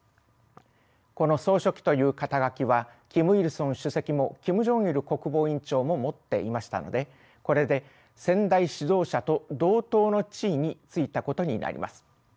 この総書記という肩書はキム・イルソン主席もキム・ジョンイル国防委員長も持っていましたのでこれで先代指導者と同等の地位に就いたことになります。